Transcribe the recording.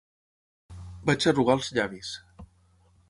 Vaig arrugar els llavis.